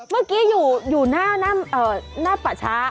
เมื่อกี้อยู่อยู่หน้าหน้าเอ่อหน้าป่าช้า